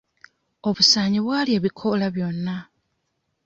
Obusaanyi bwalya ebikoola byonna.